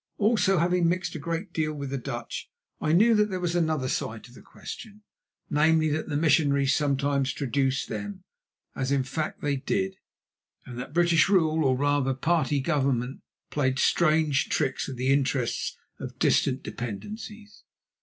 Also, having mixed a great deal with the Dutch, I knew that there was another side to the question, namely, that the missionaries sometimes traduced them (as, in fact, they did), and that British rule, or rather, party government, played strange tricks with the interests of distant dependencies.